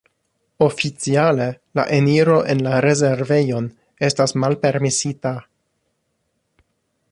Oficiale la eniro en la rezervejon estas malpermesita.